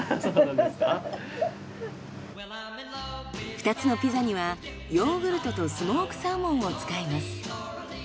２つのピザにはヨーグルトとスモークサーモンを使います。